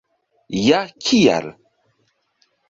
Ja kial?